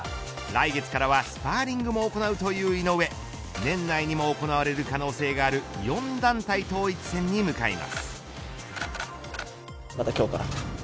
来月からはスパーリングも行うという井上年内にも行われる可能性がある４団体統一戦に向かいます。